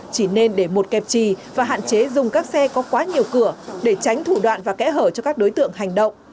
chỉ nên để một kẹp trì và hạn chế dùng các xe có quá nhiều cửa để tránh thủ đoạn và kẽ hở cho các đối tượng hành động